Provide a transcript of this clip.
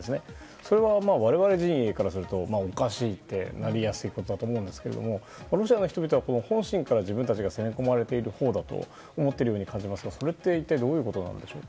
それは我々陣営からするとおかしいとなりやすいと思いますがロシアの人々は本心から自分たちが攻め込まれているほうだと思っているように感じますがそれって一体どういうことなんでしょうか。